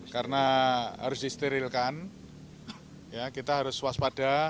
karena harus disterilkan kita harus waspada